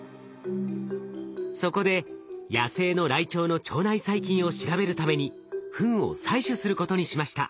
そこで野生のライチョウの腸内細菌を調べるためにフンを採取することにしました。